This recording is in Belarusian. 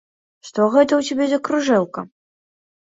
Што гэта ў цябе за кружэлка.